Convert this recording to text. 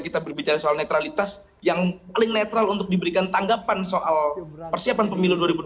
kita berbicara soal netralitas yang paling netral untuk diberikan tanggapan soal persiapan pemilu